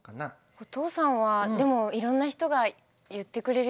お父さんはでもいろんな人が言ってくれるよ。